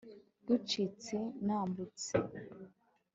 rucitse nambutse